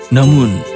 namun dia berpikir